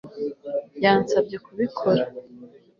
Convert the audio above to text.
Yansabye kubikora